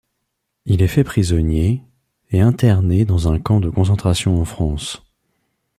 Il est fait prisonnier et interné dans un camp de concentration en France.